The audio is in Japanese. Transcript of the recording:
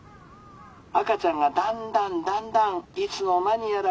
赤ちゃんがだんだんだんだんいつの間にやら